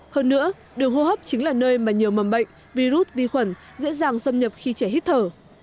hơn nữa đường hô hấp chính là nơi mà nhiều mầm bệnh virus vi khuẩn dễ dàng xâm nhập khi trẻ hít thở